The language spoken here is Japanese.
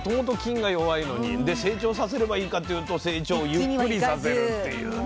で成長させればいいかっていうと成長ゆっくりさせるっていうね。